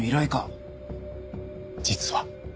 実は。